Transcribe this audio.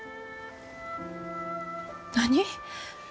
何？